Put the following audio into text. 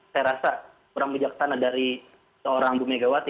beramuja ke sana dari seorang bu mega wati